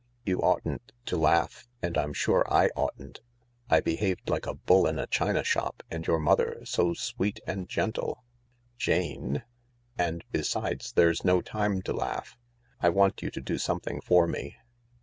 " You oughtn't to laugh — and I'm sure I oughtn't. I behaved like a bull in a china shop, and your mother so sweet and gentle "— (Jane ?)—" and besides, there's no time to laugh. I want you to do something for me."